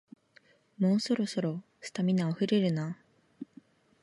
もうそろそろ、スタミナあふれるな